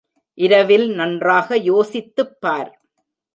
இரவில் நன்றாக யோசித்துப் பார்.